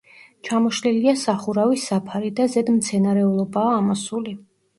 ჩამოშლილია სახურავის საფარი და ზედ მცენარეულობაა ამოსული.